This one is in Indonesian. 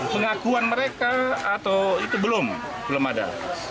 pengakuan mereka atau itu belum belum ada